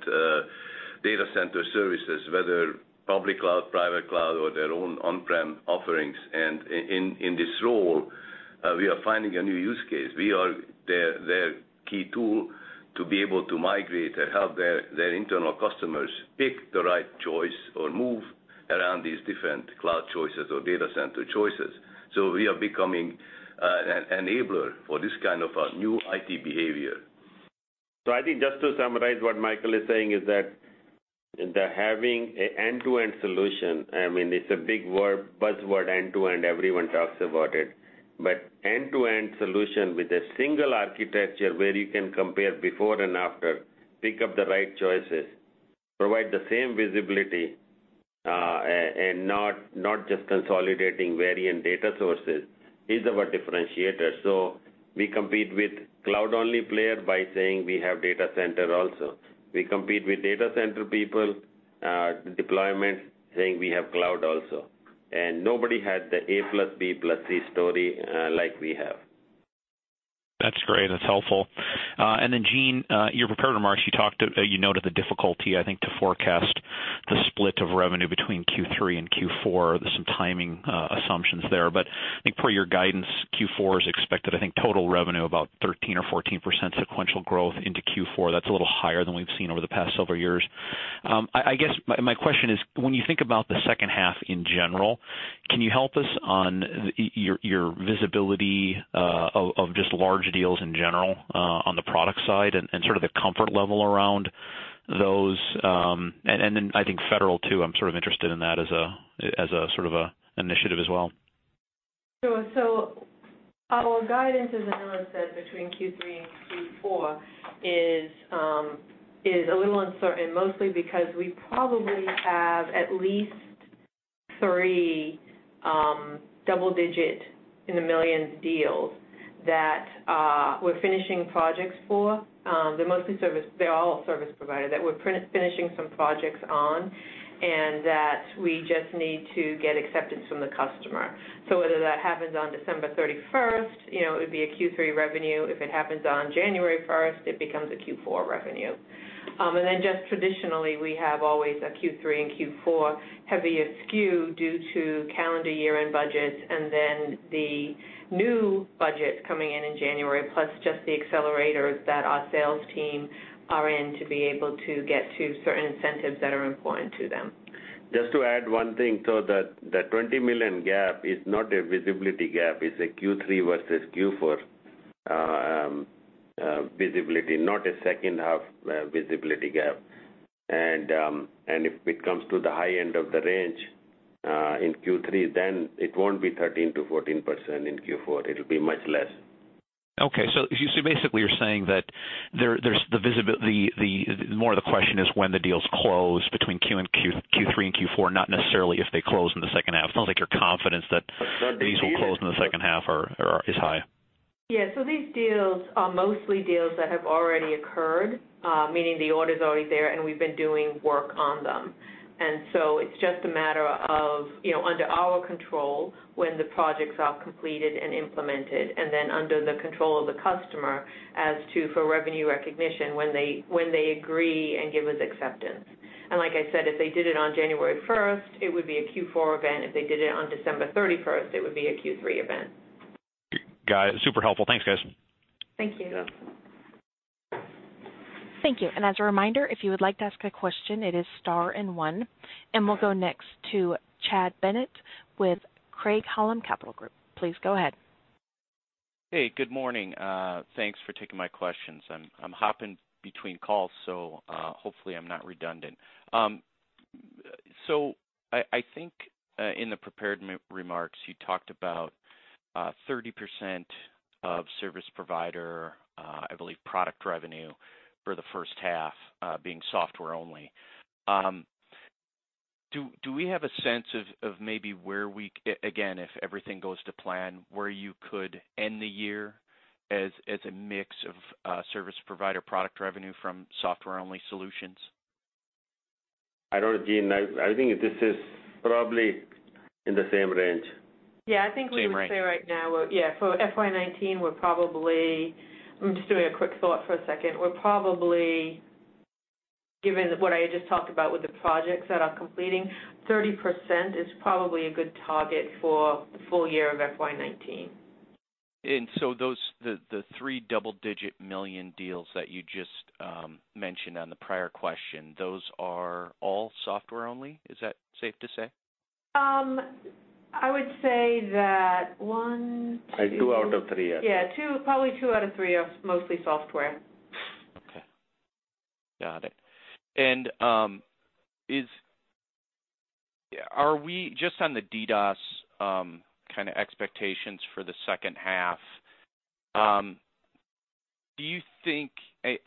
data center services, whether public cloud, private cloud, or their own on-prem offerings. In this role, we are finding a new use case. We are their key tool to be able to migrate or help their internal customers pick the right choice or move around these different cloud choices or data center choices. We are becoming an enabler for this kind of a new IT behavior. I think just to summarize what Michael is saying is that having an end-to-end solution, it's a big word, buzzword, end-to-end, everyone talks about it. End-to-end solution with a single architecture where you can compare before and after, pick up the right choices, provide the same visibility, and not just consolidating variant data sources is our differentiator. We compete with cloud-only player by saying we have data center also. We compete with data center people, deployment, saying we have cloud also. Nobody has the A plus B plus C story like we have. That's great. That's helpful. Jean, your prepared remarks, you noted the difficulty, I think, to forecast the split of revenue between Q3 and Q4. There's some timing assumptions there. I think per your guidance, Q4 is expected, I think total revenue about 13% or 14% sequential growth into Q4. That's a little higher than we've seen over the past several years. I guess my question is, when you think about the second half in general, can you help us on your visibility of just large deals in general on the product side and sort of the comfort level around those? I think federal too, I'm sort of interested in that as a sort of initiative as well. Sure. Our guidance, as Anil said, between Q3 and Q4 is a little uncertain, mostly because we probably have at least three double-digit in the millions deals that we're finishing projects for. They're all service provider that we're finishing some projects on, and that we just need to get acceptance from the customer. Whether that happens on December 31st, it would be a Q3 revenue. If it happens on January 1st, it becomes a Q4 revenue. Just traditionally, we have always a Q3 and Q4 heavier skew due to calendar year-end budgets, and the new budgets coming in in January, plus just the accelerators that our sales team are in to be able to get to certain incentives that are important to them. Just to add one thing, the $20 million gap is not a visibility gap, it's a Q3 versus Q4 visibility, not a second half visibility gap. If it comes to the high end of the range, in Q3, it won't be 13% to 14% in Q4. It'll be much less. Okay. Basically, you're saying that more of the question is when the deals close between Q3 and Q4, not necessarily if they close in the second half. It's not like your confidence that- they will close these will close in the second half is high. Yeah. These deals are mostly deals that have already occurred, meaning the order's already there, and we've been doing work on them. It's just a matter of under our control when the projects are completed and implemented, and then under the control of the customer as to for revenue recognition when they agree and give us acceptance. Like I said, if they did it on January 1st, it would be a Q4 event. If they did it on December 31st, it would be a Q3 event. Got it. Super helpful. Thanks, guys. Thank you. You're welcome. Thank you. As a reminder, if you would like to ask a question, it is star and one. We'll go next to Chad Bennett with Craig-Hallum Capital Group. Please go ahead. Hey, good morning. Thanks for taking my questions. I'm hopping between calls, so hopefully I'm not redundant. I think in the prepared remarks, you talked about 30% of service provider, I believe product revenue for the first half, being software-only. Do we have a sense of maybe where we, again, if everything goes to plan, where you could end the year as a mix of service provider product revenue from software-only solutions? I don't know, Jean. I think this is probably in the same range. Yeah, I think we- Same range would say right now, yeah, for FY 2019, We're probably Given what I just talked about with the projects that are completing, 30% is probably a good target for the full year of FY 2019. The three double-digit million deals that you just mentioned on the prior question, those are all software only, is that safe to say? I would say that one, two- Two out of three are. Yeah, probably two out of three are mostly software. Okay. Got it. Just on the DDoS kind of expectations for the second half, I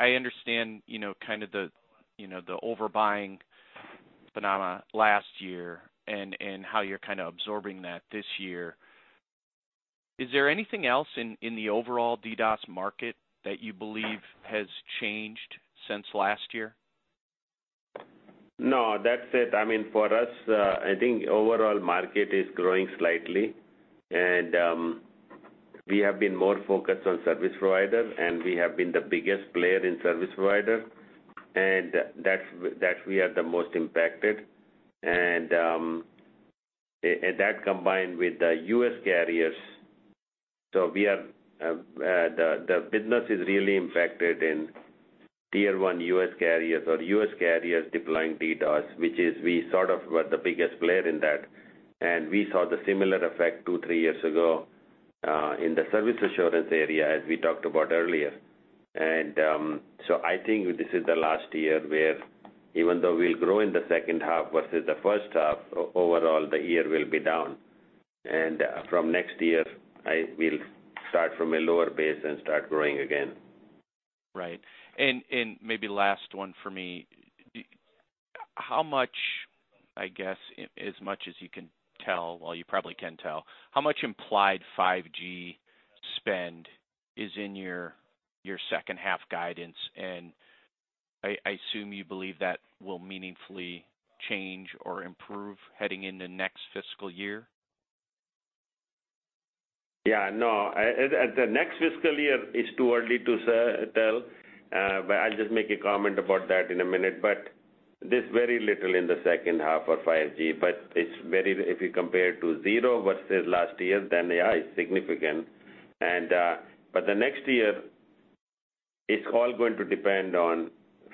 understand the overbuying phenomena last year, and how you're kind of absorbing that this year. Is there anything else in the overall DDoS market that you believe has changed since last year? No, that's it. For us, I think overall market is growing slightly. We have been more focused on service providers, and we have been the biggest player in service provider, and that we are the most impacted. That combined with the U.S. carriers. The business is really impacted in tier 1 U.S. carriers or U.S. carriers deploying DDoS, which is, we sort of were the biggest player in that. We saw the similar effect two, three years ago, in the service assurance area, as we talked about earlier. I think this is the last year where even though we'll grow in the second half versus the first half, overall the year will be down. From next year, we'll start from a lower base and start growing again. Right. Maybe last one for me, how much, I guess, as much as you can tell, well you probably can tell, how much implied 5G spend is in your second half guidance? I assume you believe that will meaningfully change or improve heading into next fiscal year? Yeah, no. The next fiscal year is too early to tell. I'll just make a comment about that in a minute. There's very little in the second half for 5G, but if you compare to zero versus last year, then yeah, it's significant. The next year, it's all going to depend on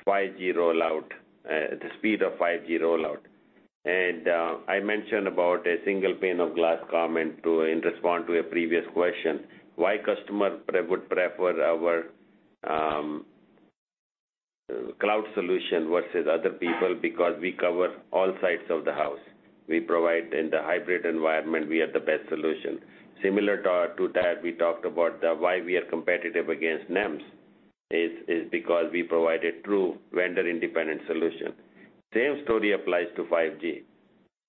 5G rollout, the speed of 5G rollout. I mentioned about a single pane of glass comment in response to a previous question, why customer would prefer our cloud solution versus other people, because we cover all sides of the house. We provide in the hybrid environment, we are the best solution. Similar to that, we talked about why we are competitive against NEMs, is because we provided true vendor independent solution. Same story applies to 5G.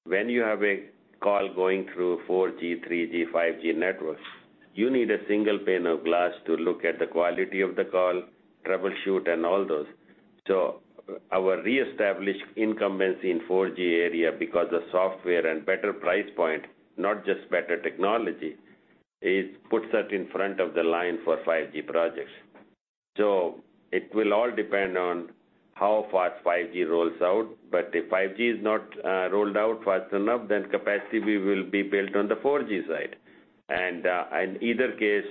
When you have a call going through 4G, 3G, 5G networks, you need a single pane of glass to look at the quality of the call, troubleshoot and all those. Our reestablished incumbency in 4G area because of software and better price point, not just better technology, it puts us in front of the line for 5G projects. It will all depend on how fast 5G rolls out, but if 5G is not rolled out fast enough, then capacity will be built on the 4G side. In either case,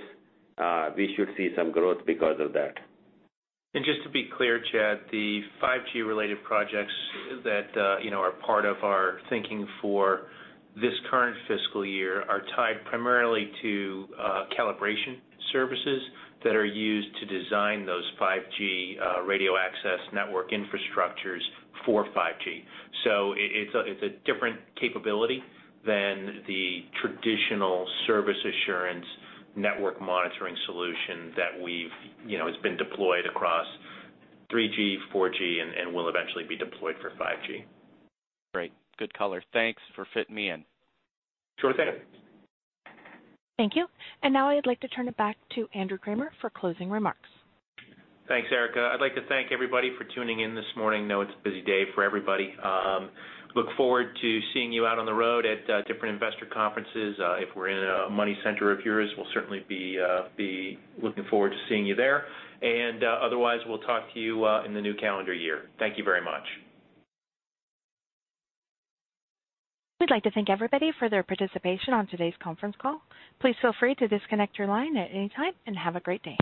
we should see some growth because of that. Just to be clear, Chad, the 5G related projects that are part of our thinking for this current fiscal year are tied primarily to calibration services that are used to design those 5G radio access network infrastructures for 5G. It's a different capability than the traditional service assurance network monitoring solution that it's been deployed across 3G, 4G, and will eventually be deployed for 5G. Great. Good color. Thanks for fitting me in. Sure thing. Thank you. Now I'd like to turn it back to Andrew Kramer for closing remarks. Thanks, Erica. I'd like to thank everybody for tuning in this morning. I know it's a busy day for everybody. Look forward to seeing you out on the road at different investor conferences. If we're in a money center of yours, we'll certainly be looking forward to seeing you there. Otherwise, we'll talk to you in the new calendar year. Thank you very much. We'd like to thank everybody for their participation on today's conference call. Please feel free to disconnect your line at any time, and have a great day.